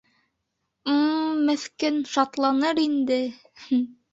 - М-м... меҫкен... шатланыр инде!